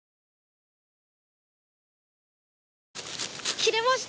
切れました！